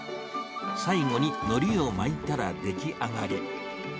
最後にのりを巻いたら出来上がり。